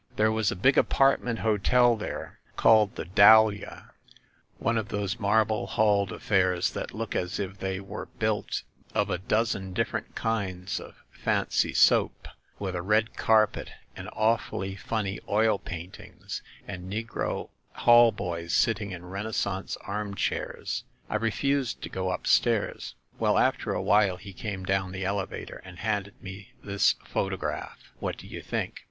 There was a big apartment hotel there, called the Dahlia, ‚ÄĒ one of those marble hailed affairs that look as if they were built of a dozen different kinds of fancy soap, with a red carpet and awfully funny oil paintings and negro hall boys sitting in Renaissance armchairs. I refused to go up stairs. Well, after a while he came down the elevator and handed me this photograph. What do you think?"